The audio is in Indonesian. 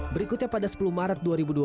berikutnya pada sepuluh maret dua ribu dua puluh